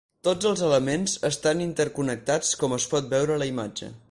Tots els elements estan interconnectats com es pot veure a la imatge.